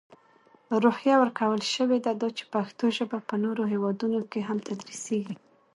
روحیه ورکول شوې ده، دا چې پښتو ژپه په نورو هیوادونو کې هم تدرېسېږي.